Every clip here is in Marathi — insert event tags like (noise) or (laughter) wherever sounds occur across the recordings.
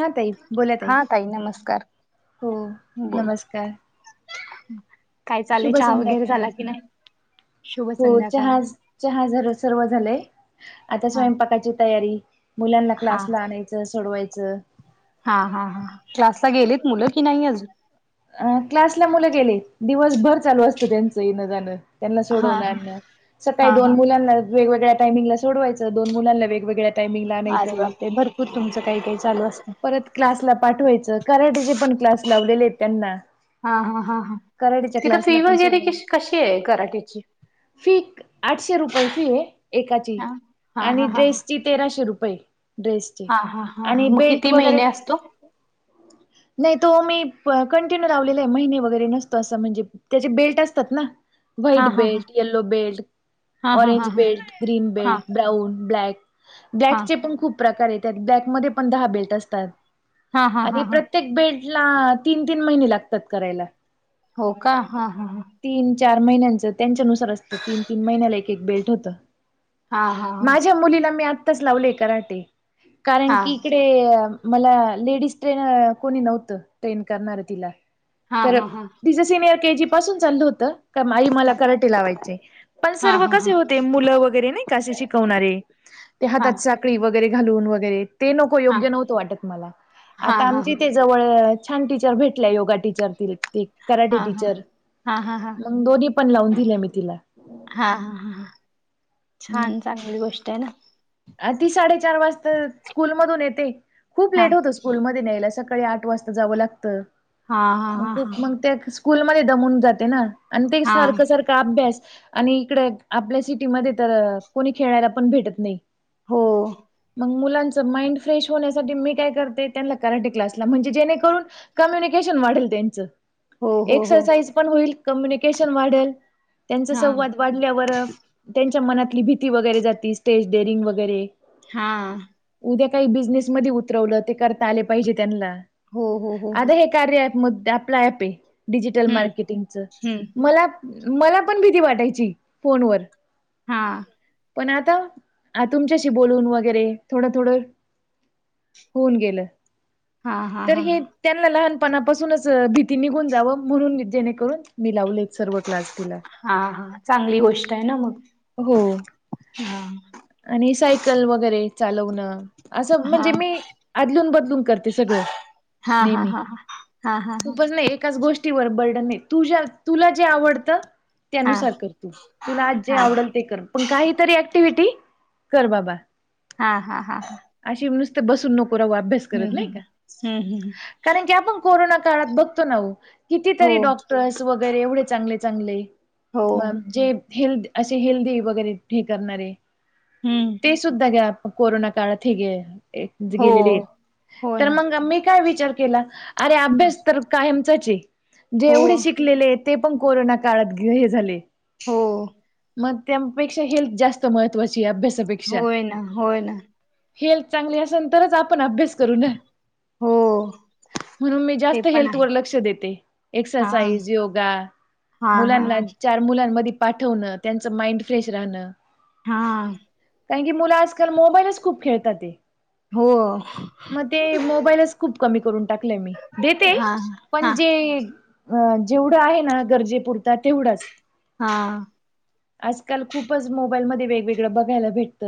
हा ताई बोला हा ताई नमस्कार हो बोला. नमस्कार काय चालेय शुभ चहा वगैरे संध्याकाळ झाला की नाही शुभ हो संध्याकाळ चहा चहा झालं सर्व झालंय आता हा. स्वयंपाकाची तयारी मुलांना हा क्लासला आणायचं सोडवायचं हा हा हा क्लासला गेलेत मुलं की नाही अजून अ क्लासला मुलं गेले दिवसभर चालू असतं त्यांचं येणं जाणं. त्यांना हा हा सोडवून सकाळी हा दोन हा मुलांना वेगवेगळ्या टाइमिंगला सोडवायचं दोन मुलांना वेगवेगळ्या टायमिंगला आणायचं अरे बापरे! भरपूर तुमचं काही काही चालू असतं. परत क्लासला पाठवायचं कराटचे पण क्लास लावलेले आहेत त्यांना हा हा हा हा कराटेच्या तिथं क्लासला फी पण वगैरे सोडवा क कशी आहे कराट्याची. फी आठशे रुपये फी आहे एकाची हा हा आणि हा हा हा. ड्रेसची. तेराशे रुपये ड्रेसचे हा हा हा हा आणि मग बेल्ट किती महिने वगैरे. असतो? नाही तो मी. कंटिन्यू लावलेले आहे महिने वगैरे नसतो असं म्हणजे त्याचे बेल्ट असतात ना. हा व्हाईट हा हा बेल्ट, यल्लो बेल्ट, हा हा हा ऑरेंज हा बेल्ट, ग्रीन हा बेल्ट, ब्राऊन ब्लॅक हा ब्लॅकचे पण खूप प्रकार येतात ब्लॅकमध्ये पण दहा बेल्ट असतात हा हा हा आणि हा. प्रत्ये प्रत्येक बेल्ट ला तीन तीन महिने लागतात करायला. हो का? हा हा. तीन चार महिन्यांचं त्यांच्यानुसार असतं तीन तीन महिन्याला एक एक बेल्ट होतं. हा हा हा माझ्या मुलीला मी आत्ताच लावलेय कराटे कारण हा की, इकडे मला लेडीज ट्रेनर कोणी नव्हतं ट्रेन करणार तिला. हा तर हा हा तिचं सिनियर के जी पासून चाललं होतं. आई मला हा कराटे लावायचेय पण हा सर्व हा हा. कसे होते मुलं वगैरे नाही असे शिकवणारे. त्या हा हातात (unintelligible) कळी वगैरे घालून वगैरे ते नको हा योग्य नव्हतं वाटत मला हा आता हा आमची ते जवळ. छान टीचर भेटल्या योगा टीचर. ते कराटे हा हा टीचर हा हा हा हा मग दोन्ही पण लावून दिले मी तिला. हा ह ह छान चांगली गोष्ट आहे ना. ती साडेचार वाजता स्कूल मधून येते खूप हा लेट होतो स्कूल मध्ये न्यायला सका. सकाळी आठ वाजता जाव लागत हा हा खूप हा हा मग त्या. स्कूलमध्ये दमून जाते ना आणि ते हा सारखं सारखं. अभ्यास आणि इकडे आपल्या सिटीमध्ये तर कोणी खेळायला पण भेटत नाही. हो मुलांच माइंड फ्रेश होण्यासाठी मी काय करते त्यांना कराटे क्लासला म्हणजे जेणेकरून. कम्युनिकेशन मॉडेल त्यांच. हो हो हो एक्सरसाइज पण होईल कम्यनिकेशन वाढल त्यांचा हा संवाद. वाढल्यावर त्यांच्या मनातली भीती वगैरे जाते स्टेज डेअरिंग वगैरे. हा. उद्या काही बिझनेस मध्ये उतरवलं ते करता आले पाहिजे त्यांना हो हो हो आता हे. कार्यप आपला प आहे डिजिटल हम्म मार्केटिंगच हम्म मला. मला पण भीती वाटायची फोनवर. हा. पण आता. अ तुमच्याशी बोलून वगैरे थोडं थोडं होऊन गेलं. हा हा तर हा हे. त्यांनला लहानपणापासूनच भीती निघून जावं, म्हणून जेणेकरून मी लावल, एक सर्व क्लास. तिला हा हा, चांगली गोष्ट आहे ना मग,, हो हा. आणि, सायकल वगैरे चालवणं. असं, हा म्हणजे मी अदलून, बदलून करते सगळं,, हा हा नेहमी. हा हा हा हा खूपच नाही, एकाच गोष्टीवर बर्डनन नाही, तुझ्या, तुला जे आवडतऽ हा त्यानुसार कर,, तू तुला आज जे हा आवडेल ते कर,, पण काहीतरी ऍक्टिव्हिटी,, कर बाबा. हा हा हा हा अशी नुसते बसून नकोरावा अभ्यास करत नाही हम्म का. हम्म हम्म कारण की आपण कोरोना काळात बघतो ना हो कितीतरी डॉक्टर्स वगैरे एवढे चांगले चांगले. हो मग जे हेल्दी असे हेल्दी वगैरे हे करणारे. हम्म ते सुद्धा घ्या कोरोना काळात गे. हो गेलेले आहेत हो तर ना मग मी काय विचार केला अरे अभ्यास तर. कायमचाचे जे एवढे हो शिकलेले ते पण कोरोना काळात हे झाले. हो. मग त्यापेक्षा हेल्थ जास्त महत्वाची,, अभ्यासापेक्षा. होय ना होय ना हेल्थ चांगली असेलं,, तरच आपण अभ्यास करू ना. हो, म्हणून मी ते जास्त पण हेल्थ आहे वर लक्ष देते,, एक्सरसाईज, योगा, हां,, चार मुलांमध्ये पाठवण, त्यांच माइंड फ्रेश राहण. हा, कारण की मुलं आजकाल मोबाईलच खूप खेळतात ते. हो, मग ते मोबाईलच खूप कमी करून टाकलेय मी, देते हा हा पण हा जेऽ अ, जेवढं आहे ना, गरजेपुरत तेवढंच. हां, आजकाल खूपच मोबाईल मध्ये वेगवेगळं बघायला भेटत,,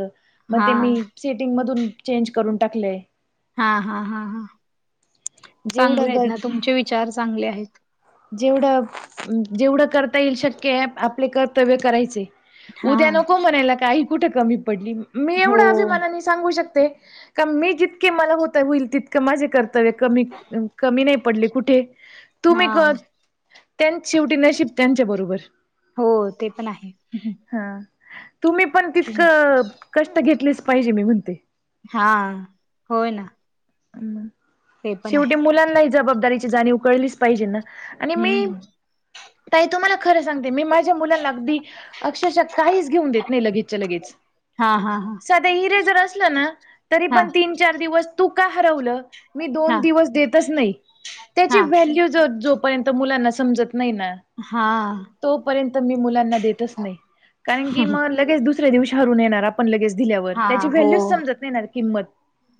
मग हा ते मीऽ सेटिंग मधून चेंज करून टाकलेय. हा हा, हा ह,, चांगले जेवढं आहेत ग ना,, तुमचे विचार चांगले आहेत. जेवढं, जेवढं करता येईल, शक्य आहे, आपले कर्तव्य करायचे. हा उद्या नको म्हणायला का ही कुठं कमी पडली, मी हो एवढ्या अभिमानाने सांगु शकते, का मी जितके मला हुता हुईल तितके माझे कर्तव्य कमी, कमी नाही पडले कुठे, हा तुम्ही कर त्यांचं शेवटी नशीब त्यांच्या बरोबर. हो, ते पण आहे. हा, तुम्ही पण तुम- तितकं कष्ट घेतलेच पाहिजे, मी म्हणते. हा, होय ना. हम्म, ते पण आहे शेवटी मुलांनाही जबाबदारीची जाणीव कळलीच पाहिजे ना, आणि मी हम्म ताई तुम्हाला खरं सांगते मी माझ्या मुलाला अगदी अक्षरशः काहीच घेऊन देत नाही लगेचच्या लगेच. हा हा हा. साधं ईरेजर असलं ना, तरी हा पण तीन चार दिवस तू का हरवलं? मी दोन हा दिवस देतच नाही, त्याची हा व्हॅल्यू ज जो पर्यंत मुलांना समजत नाही ना. हा. तोपर्यंत मी मुलांना देतच नाही, कारण की मग लगेच दुसऱ्या दिवशी हरवुन येणार, आ पण लगेच दिल्यावर, हा त्याची व्हॅल्यूच हो समजत नाही ना किंमत.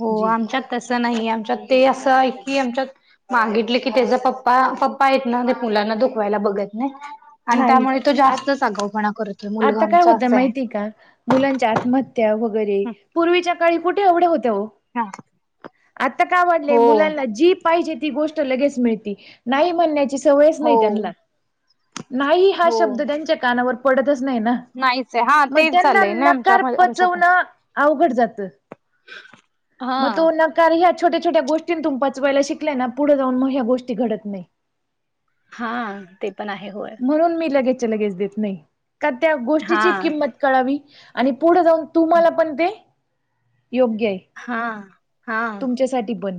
हो, जी आमच्यात तसं नाही, आमच्यात ते असं आहे की, आमच्यात मागितलं की, त्याचं पप्पा, पप्पा आहेत ना ते मुलांना दुखवायला बघत नाहीत. आणि नाही त्यामुळे तो आ जास्तच आगावपणा कर आता काय होतंय माहितीय का? मुलांच्या आत्महत्या वगैरे, पूर्वीच्या काळी कुठे एवढ्या होत्या हो. आता का वाढलंय? हो मुलांना जी प पाहिजे ती गोष्ट लगेच मिळती, नाही म्हणण्याची सवयच हो नाही त्यांना, नाही हा हो शब्द त्यांच्या कानावर पडतच नाही ना. नाहीच आहे हा मग तेच त्यांना झालंय ना आमच्या नकार आमच्या पण पचवणं अवघड जातं. मग तो हा नकार ह्या छोट्या छोट्या गोष्टींतुन पचवायला शिकलं ना, पुढे जाऊन मग ह्या गोष्टी घडत नाही. हा, ते पण आहे, होय. म्हणून मी लगेचच्या लगेच देत नाही, कारण त्या हा गोष्टीची किंमत कळावी. आणि पुढे जाऊन तुम्हाला पण ते, योग्य आहे. हा, हा, च्या साठी पण,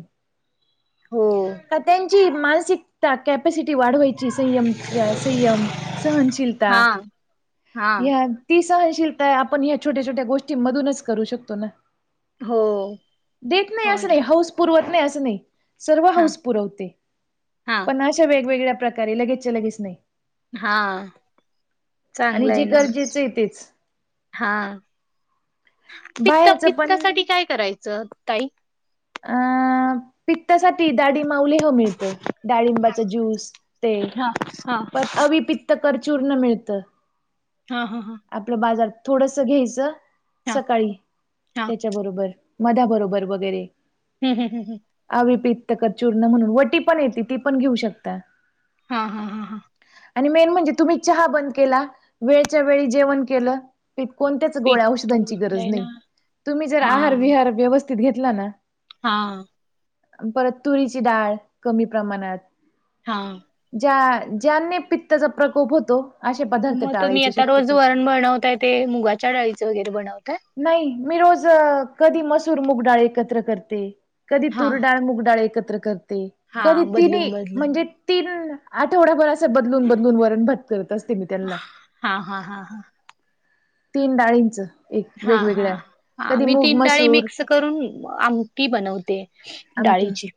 हो का त्यांची मानसिकता, कॅपॅसिटी वाढवाय ची संयम संयम, सहनशीलता हा हा ह्या ती सहनशीलता आपण ह्या छोट्या छोट्या गोष्टींमधूनच करू शकतो ना. हो देत नाही हो असं ना नाही, हौस पुरवत नाही असं नाही, सर्व हा हौस पुरवते, हा पण अ वेगवेगळ्या प्रकारे लगेचच्या लगेच नाही. हा आणि चांगलं जे आहे ना गरजेचं आहे तेच. हा, पित्त बाहेरचं पण पित्तासाठी काय करायचं ताई? अ पित्तासाठी डाळिंबावलेह मिळतं, डाळिंबाचं ज्यूस ते हा हा. प अविपित्त करचूर्ण मिळतं. हा हा हा आपलं बाजार, थोडंस घ्यायचं हा सकाळी हा त्याच्या बरोबर. मधा बरोबर वगैरे. हम्म हम्म हम्म हम्म अविपित्तका चूर्ण म्हणून वटी पण येते ती पण घेऊ शकता. हा हा हा हा आणि मेन म्हणजे तुम्ही चहा बंद केला, वेळच्या वेळी जेवण केलं. कोणत्याच गोळ्या पित्त औषधांची होत गरज ना नाही तुम्ही जर हा आहार विहार व्यवस्थित घेतला ना. हा परत तुरीची डाळ कमी प्रमाणात हा ज्या ज्यांने पित्ताचा प्रकोप होतो असे पदार्थ मग तुम्ही टाळायचे आता रोज शक्यतो. वरण बनवताय ते मुगाच्या डाळीचं वगैरे बनवताय नाही मी रोज कधी मसूर मुगडाळ एकत्र करते कधी हा तुरडाळ मुगडाळ एकत्र करते हा कधी तिन् बदलून बदलून म्हणजे तीन आठवडाभर असं बदलून बदलून वरण भात करत असते मी त्यांना हा हा हा हा तीन डाळींच एक हा वेगवेगळ्या हा. हा कधी मी मूग तीन डाळी मसूर मिक्स करून आमटी बनवते आमटी डाळीची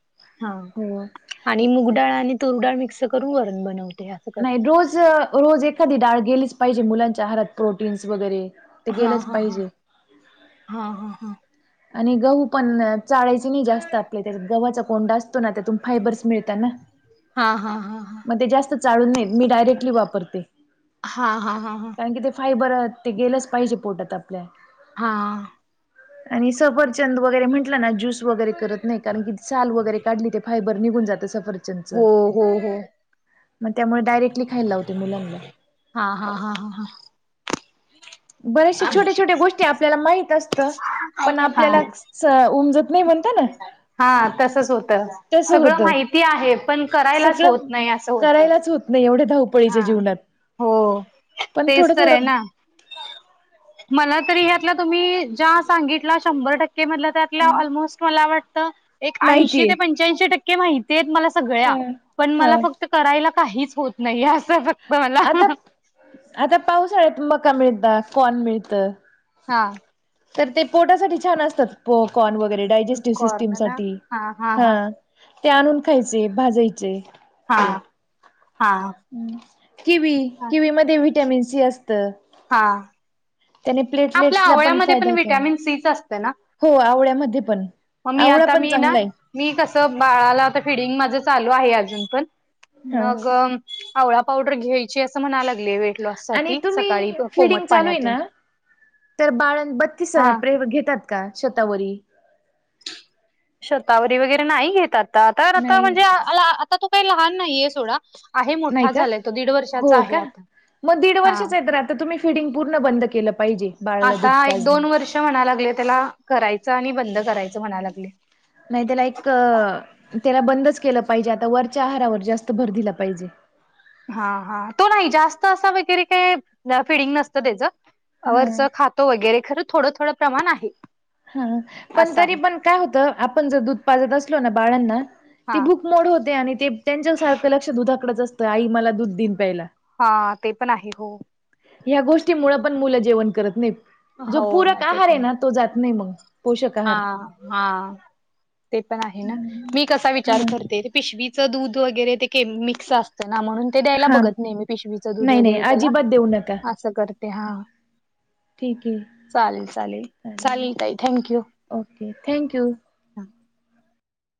हा हो. आणि मुगडाळ आणि तूर डाळ मिक्स करून वरून बनवते असं नाही करते. रोज रोज एखादी डाळ गेलीच पाहिजे मुलांच्या आारात प्रोटीन्स वगैरे ते हा गेलंच हा हा पाहिजे. हा हा हा आणि गहू पण चाळायचे नाही हा. जास्त आपल्या त्या गव्हाचा कोंडा असतो ना त्यातून फायबर्स मिळतो हा हा हा मग ते जास्त चालून नाही मी डायरेक्टली वापरते हा हा हा हा हा कारण की ते फायबर ते गेलंच पाहिजे पोटात आपल्या हा आणि सफरचंद वगैरे म्हंटलं ना ज्यस वगैरे करत नाही कारण कील वगैरे काढली ते फायबर निघून जात सर हो हो हो मग त्यामुळे डायरेक्टली खायला लावते मुलांना हा हा हा हा हा बरेचसे छोट्या छोट्या गोष्टी आपल्याला माहित असत पण हा आपल्याला उमज हा तसच होत तसं सगळं होतं. माहिती आहे पण करायलाच सगळं होत नाही असं होत करायलाच होत नाही एवढे धावपळ धापळीच्या हा जीवनाात हो पण थोडं तेच तर आहे थोडं ना मला तरी ह्यातला तुम्ही ज्या सांगितला शंभर टक्के त्यात अलमोस्ट मला वाटत एक ऐशि माहितीय ते पंच्या टक्के माहिती म सगळ्या पण हा मला फक्त करायला काहीच होत नाही असं फक्त मला आता आता पावसाळ्या तुम् का मिळता कोॉन मिळत हा तर ते पोटासाठी छान असतात पकॉर्न वगैरे डायजेस्टिव्ह सिस्टीम कॉर्न ना साठी हा हा ते आणून खायचे भाजायचे हा ते हा किवी किवी मध्ये वि्हटॅमिन सी असत हा त्याने प्लेटलेट्स ला पण फायदा होत तिच असतं ना हो आवळ्यामध्ये पण मग मी आवळा आता पण मी ना चांगला आहे मी कसं बाळाला आता फिडिंग माझं चालू आहे अजून पण हा मग आवळा पावडर घ्यायची असं म्हणा लागली वेट लॉस आणि साठी सकाळी तुम्ही फिडिंग कोमट चालू आहे पाण्यातून ना तर बाळण बत्तीस हा प्रे घेतात का शतावरी शतावरी वगैरे नाही घेतात आता आता नाही म्हणजे आता तो काही लहान नाहीये सोडा आहे नाही मोठा का झालाय तो दीड वर्षाचा आहे आता हा आ तुम्ही फिडिंग पूर्ण बंद केलं पाहिजे बाळाला दूध आता एक पाजणं. दोन वर्ष म्हणा लागले त्याला करायचं आणि बंद करायचं म्हणा लागले नाही ते लाईक त्याला बंदच केलं पाहिजे आता वरच्या आहारावर जास्त भर दिला पाहिजे हा हा तो नाही जास्त असा वगैरे काही फिडिंग नसत त्याच हा वरचं खात तो वगैरे खरं थोडं थोडं प्रमाण आहे हा पण असं तरी आहे पण काय होत? आपण जर दूध पाजत असलो ना बाळांना हा ती भुक भूक मोड होते आणि ते त्यांच्या सारखं लक्ष दुधाकडच असतं, आई मला दूध दिन प्यायला हा ते पण आहे. हो. या गोष्टीमुळ पण मुलं जेवण करत नाहीत. जो हो पूरक ते आहार आहे पण ना. तो जात नाही मग. पोषक हा आहार. हा हा हा. ते पण आहे ना, मी कसा हा विचार करते? पिशवीचं दूध वगैरे ते के मिक्स असतय. ना म्हणून ते द्यायला हा बघत नाही, मी पिशवीच दूध नाही नाही वगैरे त्याला अजिबात देऊ नका आस करते. हा. ठीक आहे. चालेल चालेल चालेल ताई thank you. Okay thank you. हा.